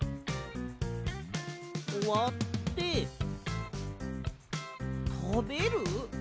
わってたべる？